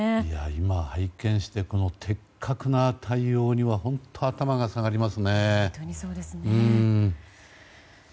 今、拝見してこの的確な対応には本当、頭が下がりますね。